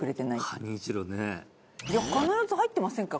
いや必ず入ってませんか？